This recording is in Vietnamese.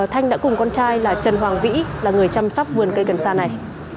thanh đã cùng con trai là trần hoàng vĩ là người chăm sóc vườn cây cần sa này